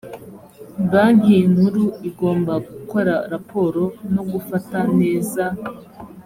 banki nkuru igomba gukora raporo no gufata neza